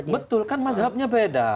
betul kan mazhabnya beda